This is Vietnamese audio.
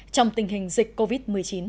trong tình hình dịch covid một mươi chín